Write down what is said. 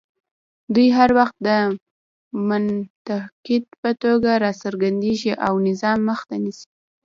دوی هر وخت د منتقد په توګه راڅرګندېږي او د نظام مخه نیسي